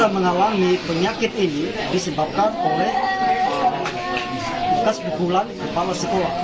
pemukulan di sekolah sekolah